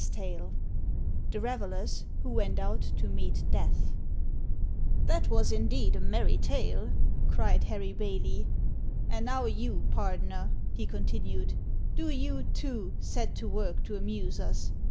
VI THE REVELERS WHO WENT OUT TO MEET DEATH €()i: (pAVbOMV THAT was, indeed, a merry tale," cried Harry Bailey. "And now, you pardoner," he con tinued, " do you, too, set to work to amuse us.